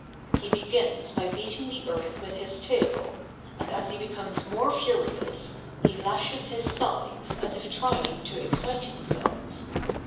He begins by beating the earth with his tail; and as he becomes more furious, he lashes his sides, as if trying to excite himself.